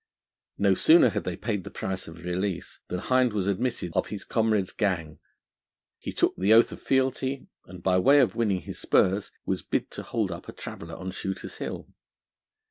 No sooner had they paid the price of release, than Hind was admitted of his comrade's gang; he took the oath of fealty, and by way of winning his spurs was bid to hold up a traveller on Shooter's Hill.